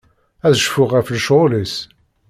Ad cfuɣ ɣef lecɣal-is.